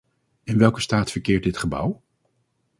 In welke staat verkeert dit gebouw?